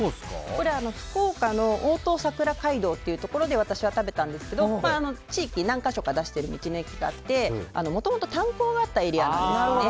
これ、福岡で私は食べたんですけど何か所か出している道の駅があってもともと炭鉱があったエリアなんですね。